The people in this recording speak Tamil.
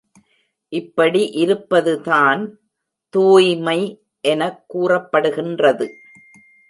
இப்படி இருப்பது தான் “தூய்மை” என கூறப்படுகின்றது.